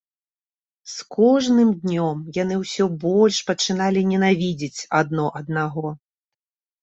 З кожным днём яны ўсё больш пачыналі ненавідзець адно аднаго.